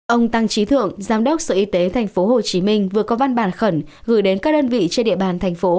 ông tăng trí thượng giám đốc sở y tế tp hcm vừa có văn bản khẩn gửi đến các đơn vị trên địa bàn thành phố